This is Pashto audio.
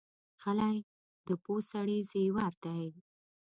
غلی، د پوه سړي زیور دی.